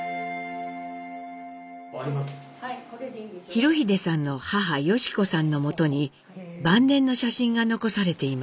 裕英さんの母良子さんのもとに晩年の写真が残されています。